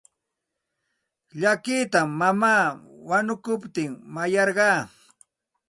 Llakita mamaa wanukuptin mayarqaa.